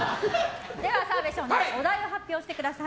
澤部少年お題を発表してください。